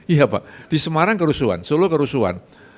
iya pak di semarang kerusuhan solo kerusuhan